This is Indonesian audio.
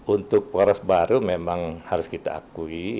untuk poros baru memang harus kita akui